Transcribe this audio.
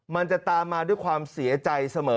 มันจะตามมาด้วยความเสียใจเสมอ